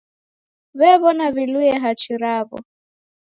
W'ew'ona w'iluye hachi raw'o.